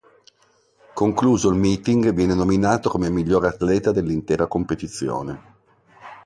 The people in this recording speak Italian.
Concluso il meeting viene nominato come miglior atleta dell'intera competizione.